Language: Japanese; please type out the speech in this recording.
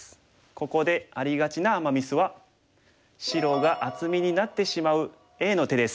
ここでありがちなアマ・ミスは白が厚みになってしまうＡの手です。